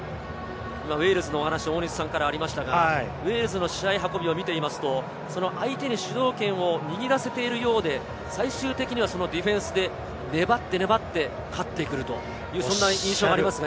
今、ウェールズの話がありましたが、ウェールズの試合運びを見ていると、その相手に主導権を握らせているようで、最終的にはディフェンスで粘って粘って勝ってくると、そんな印象がありますね。